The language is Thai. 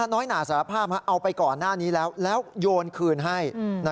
น้อยหนาสารภาพเอาไปก่อนหน้านี้แล้วแล้วโยนคืนให้